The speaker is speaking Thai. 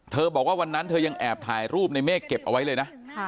บอกว่าวันนั้นเธอยังแอบถ่ายรูปในเมฆเก็บเอาไว้เลยนะ